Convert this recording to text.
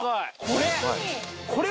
これ！